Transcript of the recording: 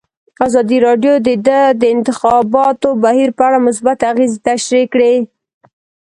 ازادي راډیو د د انتخاباتو بهیر په اړه مثبت اغېزې تشریح کړي.